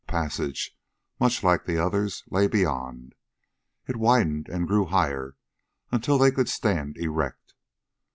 A passage, much like the others, lay beyond. It widened and grew higher, until they could stand erect.